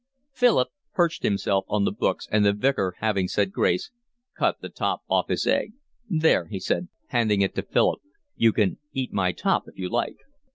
Philip perched himself on the books, and the Vicar, having said grace, cut the top off his egg. "There," he said, handing it to Philip, "you can eat my top if you like."